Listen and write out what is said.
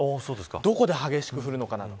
どこで激しく降るのかなど。